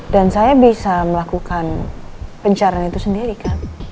saya bisa melakukan pencarian itu sendiri kan